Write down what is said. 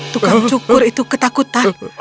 tukang cukur itu ketakutan